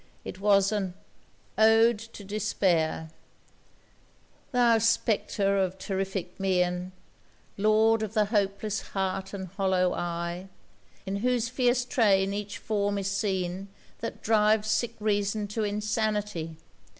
It was an ODE TO DESPAIR Thou spectre of terrific mien, Lord of the hopeless heart and hollow eye, In whose fierce train each form is seen That drives sick Reason to insanity!